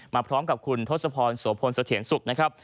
มาพร้อมกับคุณทศพรสวพลเสถียรสุขนะครับ